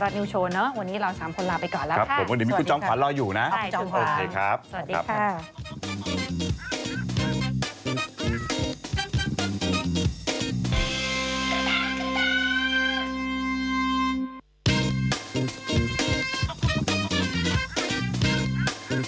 ต่อไปก็เดี๋ยวไปชมไทยรัฐนิวโชว์เนอะวันนี้เรา๓คนลาไปก่อนแล้วค่ะ